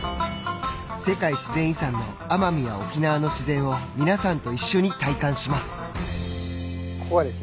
世界自然遺産の奄美や沖縄の自然を皆さんと一緒に体感します。